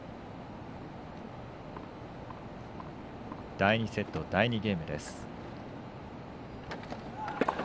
第２セット、第２ゲーム。